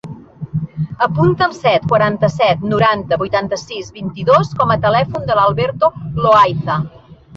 Apunta el set, quaranta-set, noranta, vuitanta-sis, vint-i-dos com a telèfon de l'Alberto Loaiza.